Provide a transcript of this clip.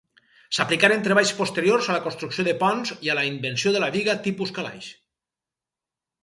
S'aplicaren treballs posteriors a la construcció de ponts i a la invenció de la biga tipus calaix.